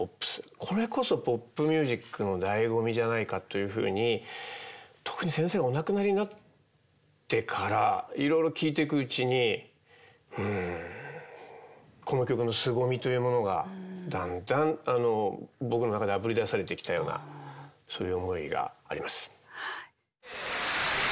これこそポップミュージックのだいご味じゃないかというふうに特に先生がお亡くなりになってからいろいろ聴いてくうちにうんこの曲のすごみというものがだんだん僕の中であぶり出されてきたようなそういう思いがあります。